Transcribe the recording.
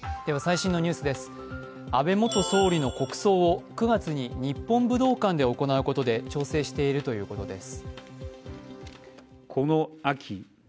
安倍元総理の国葬を９月に日本武道館で行うことで調整しているということです。